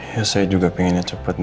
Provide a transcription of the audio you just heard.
ya saya juga pengennya cepet din